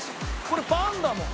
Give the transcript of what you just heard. これパンだもん。